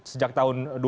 sejak tahun dua ribu